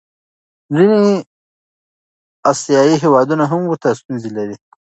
ځینې آسیایي هېوادونه هم ورته ستونزې لري.